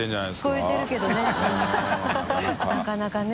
なかなかね。